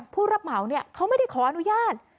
ผู้รับเหมาเขาไม่ได้ขออนุญาต